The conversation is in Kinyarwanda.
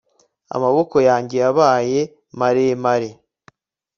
Amaboko yanjye yabaye maremaew